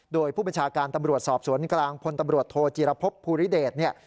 โดยผู้บัญชาการตำรวจสอบสวนกลางพลตำรวจโทจีรพบภูริเดชเนี่ย